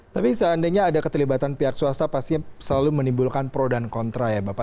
tapi seandainya ada keterlibatan pihak swasta pastinya selalu menimbulkan pro dan kontra ya bapak